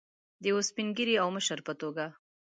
د یو سپین ږیري او مشر په توګه.